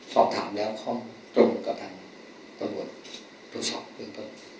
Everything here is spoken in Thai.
สอบถามแล้วข้อมูลตรงกับทางตรวจโทรศัพท์เรื่องเพิ่ม